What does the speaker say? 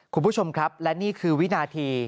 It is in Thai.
คุณผู้ชมครับและนี่คือวินาที